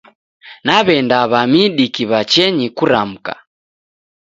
Naw'enda w'a midi kiwachenyi kuramka.